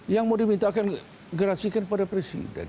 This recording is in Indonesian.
yang mau diminta akan gerasikan pada presiden